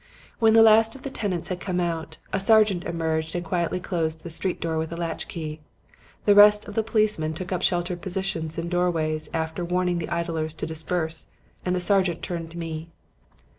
"When the last of the tenants had come out, a sergeant emerged and quietly closed the street door with a latch key. The rest of the policemen took up sheltered positions in doorways after warning the idlers to disperse and the sergeant turned to me.